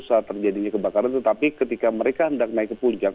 saat terjadinya kebakaran tetapi ketika mereka hendak naik ke puncak